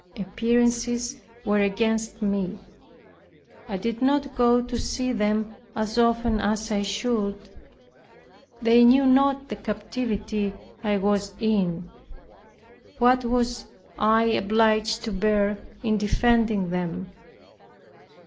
Appearances were against me. I did not go to see them as often as I should. They knew not the captivity I was in; what I was obliged to bear in defending them.